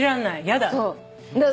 やだ。